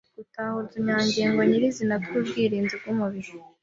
Gutahura utunyangingo nyirizina tw'ubwirinzi bw'umubiri